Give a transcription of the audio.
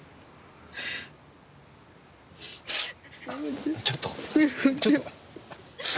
ちょっとちょっと。